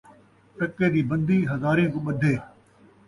ٹکے دی بندی، ہزاریں کوں ٻدھے